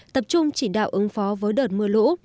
tập trung chỉ đạo ứng phó với đợt mưa lũ